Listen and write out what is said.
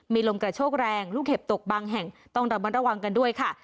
มีลมกระโชกแรงลูกเห็บตกบางแห่งต้องระมัดระวังกันด้วยค่ะ